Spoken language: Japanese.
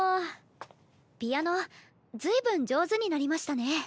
ピアノ随分上手になりましたね。